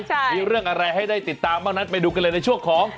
มีเรื่องอะไรให้ได้ติดตามบ้างนั้นไปดูกันเลยในช่วงของ